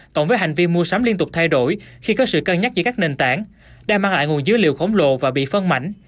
cộng với hành vi mua sắm liên tục thay đổi khi có sự cân nhắc giữa các nền tảng đang mang lại nguồn dữ liệu khổng lồ và bị phân mảnh